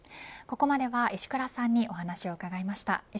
ここまでは石倉さんにお話をうかがいました。